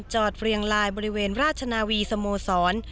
เรียงลายบริเวณราชนาวีสโมสร